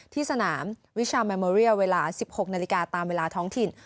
ที่สนามวิชาแมมอรียาเวลา๑๖๐๐นตามเวลาท้องถิ่น